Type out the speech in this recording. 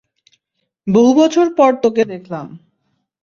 বহুবছর পর তোকে দেখলাম!